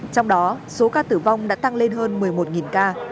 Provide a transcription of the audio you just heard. trong đó số ca tử vong đã tăng lên hơn một mươi một ca